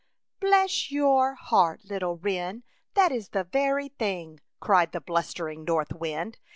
" "Bless your heart, little wren, that is the very thing," cried the bluster ing north wind.